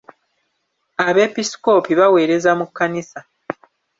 Abeepiskoopi baweereza mu kkanisa.